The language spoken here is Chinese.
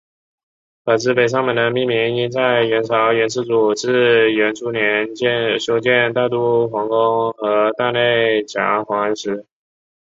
可知北上门的命名应在元朝元世祖至元初年修建大都皇宫和大内夹垣时。